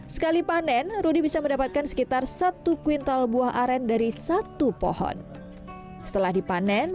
sekali panen rudy bisa mendapatkan sekitar satu kuintal buah aren dari satu pohon setelah dipanen